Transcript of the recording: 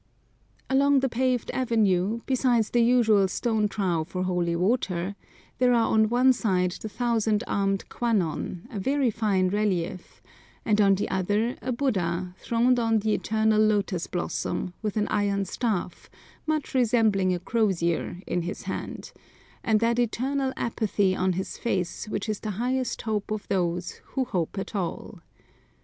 Along the paved avenue, besides the usual stone trough for holy water, there are on one side the thousand armed Kwan non, a very fine relief, and on the other a Buddha, throned on the eternal lotus blossom, with an iron staff, much resembling a crozier, in his hand, and that eternal apathy on his face which is the highest hope of those who hope at all.